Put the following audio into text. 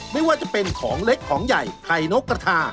ไม่ว่าจะเป็นของเล็กของใหญ่ไข่นกกระทา